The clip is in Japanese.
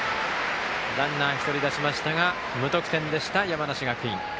ランナー１人、出しましたが無得点でした、山梨学院。